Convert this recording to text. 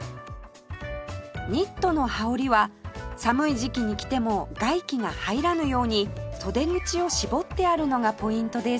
ニットの羽織は寒い時期に着ても外気が入らぬように袖口を絞ってあるのがポイントです